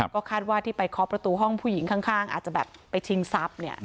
ก็คาดว่าที่ไปเคาะประตูห้องผู้หญิงข้างอาจจะแบบไปชิงทรัพย์